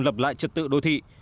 lập lại trật tự đô thị